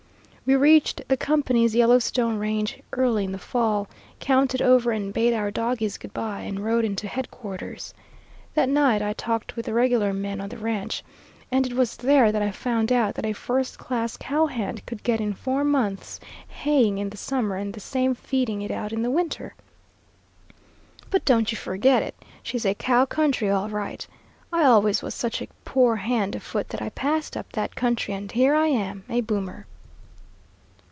We reached the company's Yellowstone range early in the fall, counted over and bade our dogies good by, and rode into headquarters. That night I talked with the regular men on the ranch, and it was there that I found out that a first class cowhand could get in four months' haying in the summer and the same feeding it out in the winter. But don't you forget it, she's a cow country all right. I always was such a poor hand afoot that I passed up that country, and here I am a 'boomer.'"